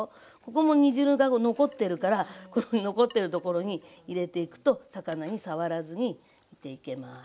ここも煮汁が残ってるからこの残ってるところに入れていくと魚に触らずに煮ていけます。